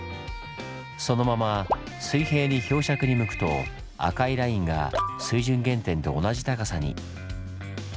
そのまま水平に標尺に向くと赤いラインが水準原点と同じ高さに。